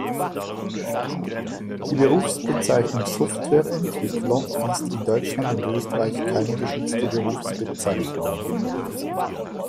Die Berufsbezeichnung "Softwareentwickler" ist in Deutschland und Österreich keine geschützte Berufsbezeichnung.